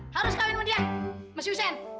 harus kawin sama dia sama susan